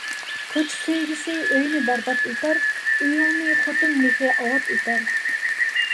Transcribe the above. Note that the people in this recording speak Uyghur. كوچا سۆيگۈسى ئۆينى بەرباد ئېتەر، ئۆيۈڭنى خوتۇن مېھرى ئاۋات ئېتەر